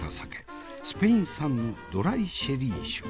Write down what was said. スペイン産のドライシェリー酒。